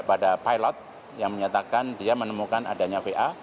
pada pilot yang menyatakan dia menemukan adanya va